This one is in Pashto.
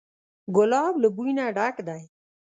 ګلاب له بوی نه ډک دی.